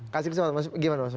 kasih kesempatan gimana mas